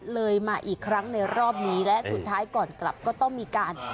เลยมาอีกครั้งในรอบนี้และสุดท้ายก่อนกลับก็ต้องมีการ